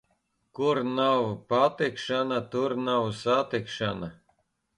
Kur nav patikšana, tur nav satikšana.